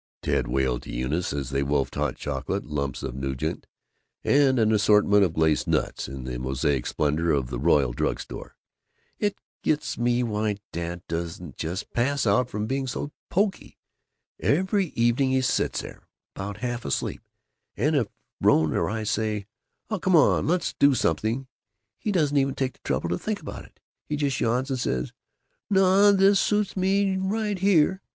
Ted wailed to Eunice, as they wolfed hot chocolate, lumps of nougat, and an assortment of glacé nuts, in the mosaic splendor of the Royal Drug Store, "it gets me why Dad doesn't just pass out from being so poky. Every evening he sits there, about half asleep, and if Rone or I say, 'Oh, come on, let's do something,' he doesn't even take the trouble to think about it. He just yawns and says, 'Naw, this suits me right here.